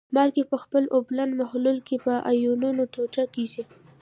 مالګې په خپل اوبلن محلول کې په آیونونو ټوټه کیږي.